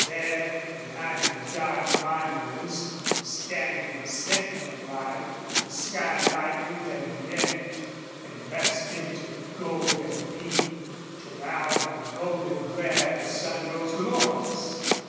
There, behind the dark monuments, standing sentinel like, the sky lightened and reddened and burst into gold and pink, till out of the golden glare the sun rose glorious.